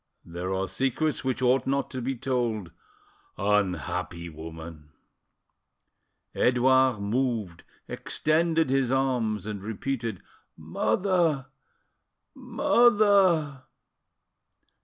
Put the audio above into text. .. there are secrets which ought not to be told—unhappy woman!" Edouard moved, extended his arms, and repeated, "Mother! ... mother!"